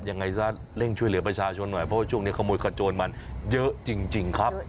ยังไงซะเร่งช่วยเหลือประชาชนหน่อยเพราะว่าช่วงนี้ขโมยขโจนมันเยอะจริงครับ